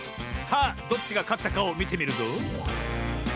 さあどっちがかったかをみてみるぞ。